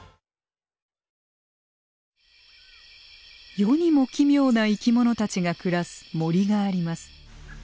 世にも奇妙な生き物たちが暮らす森があります。